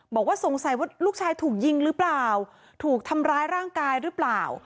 บอกว่าสงสัยว่าลูกชายถูกยิงหรือเปล่าถูกทำร้ายร่างกายหรือเปล่า